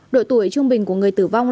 đội tuổi trung bình của người tử vong